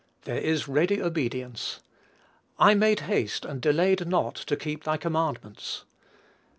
There is ready obedience. "I made haste and delayed not to keep thy commandments."